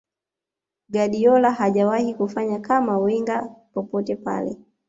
guardiola hajawahi kufanya kama wenger popote pale